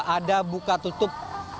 ada buka tutup